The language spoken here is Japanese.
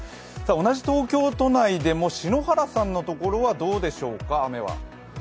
同じ東京都内でも篠原さんのところは雨はどうでしょうか？